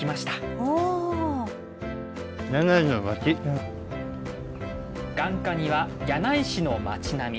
お眼下には柳井市の町並み